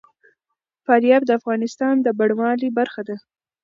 فاریاب د افغانستان د بڼوالۍ برخه ده.